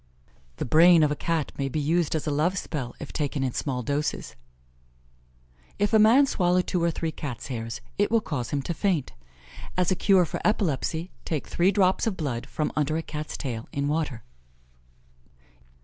The brain of a Cat may be used as a love spell if taken in small doses. If a man swallow two or three Cat's hairs, it will cause him to faint. As a cure for epilepsy, take three drops of blood from under a Cat's tail in water.